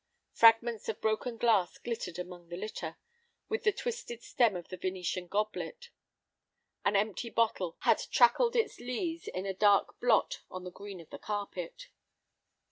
Fragments of broken glass glittered among the litter, with the twisted stem of the Venetian goblet. An empty bottle had trackled its lees in a dark blot on the green of the carpet.